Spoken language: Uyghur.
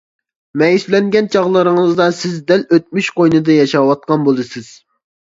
مەيۈسلەنگەن چاغلىرىڭىزدا سىز دەل ئۆتمۈش قوينىدا ياشاۋاتقان بولىسىز.